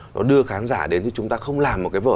nó đưa khán giả đến nhưng chúng ta không làm một cái vở